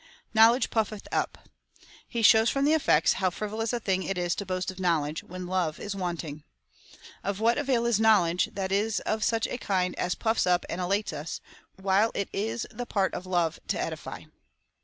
Knowledge puffeth up. He shows, from the effects, how fri volous a thing it is to boast of knowledge, when love is want ing. " Of what avail is knowledge, that is of such a kind as puffs us up and elates us, while it is the part of love to edify